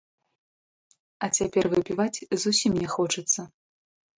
А цяпер выпіваць зусім не хочацца.